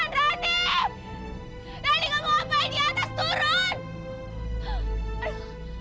rania gak mau apa apa di atas turun